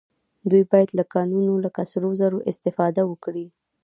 دوی باید له کانونو لکه سرو زرو استفاده وکړي